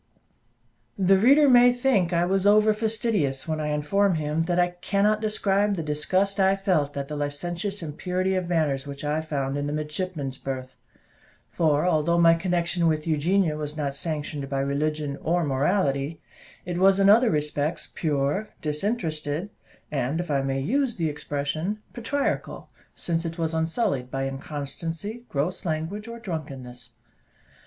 The reader may think I was over fastidious when I inform him that I cannot describe the disgust I felt at the licentious impurity of manners which I found in the midshipmen's berth; for although my connection with Eugenia was not sanctioned by religion or morality, it was in other respects pure, disinterested, and, if I may use the expression, patriarchal, since it was unsullied by inconstancy, gross language, or drunkenness.